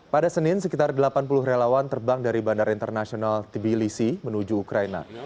pada senin sekitar delapan puluh relawan terbang dari bandara internasional tibilisi menuju ukraina